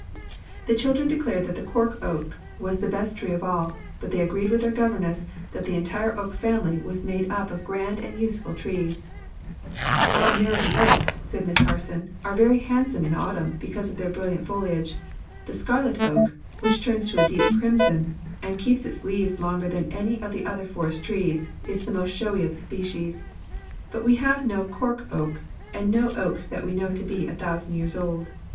'" The children declared that the cork oak was the best tree of all, but they agreed with their governess that the entire oak family was made up of grand and useful trees. "Our American oaks," said Miss Harson, "are very handsome in autumn because of their brilliant foliage; the scarlet oak, which turns to a deep crimson and keeps its leaves longer than any of the other forest trees, is the most showy of the species. But we have no cork oaks, and no oaks that we know to be a thousand years old.